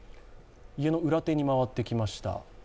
家の裏手に回ってきました。